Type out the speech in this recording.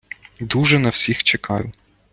Дуже на всіх чекаю!